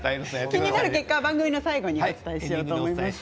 気になる結果は番組の最後でお伝えしようと思います。